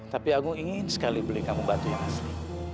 tapi aku ingin sekali beli kamu batu yang asli